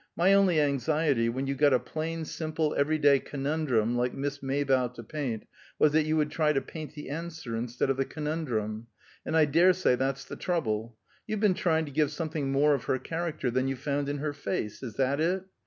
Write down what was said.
My only anxiety, when you got a plain, simple, every day conundrum like Miss Maybough to paint, was that you would try to paint the answer instead of the conundrum, and I dare say that's the trouble. You've been trying to give something more of her character than you found in her face; is that it?